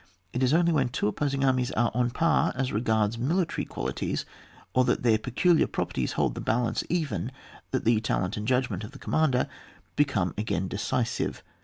It is only when two opposing armies are on a par as regards military qualities, or that their peculiar properties hold the balance even, that the talent and judgment of the commander become again decisive.